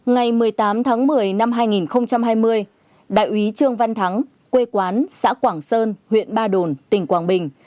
ngày một mươi tám tháng một mươi năm hai nghìn hai mươi đại úy trương văn thắng quê quán xã quảng sơn huyện ba đồn tỉnh quảng bình